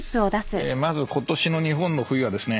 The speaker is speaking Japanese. まずことしの日本の冬はですね